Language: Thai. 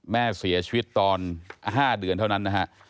แม่เสียชีวิตตอน๕เดือนเท่านั้นนะฮะ